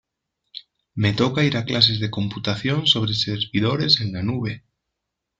Me toca ir a clases de computación sobre servidores en la nube